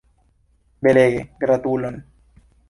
Belege, gratulon!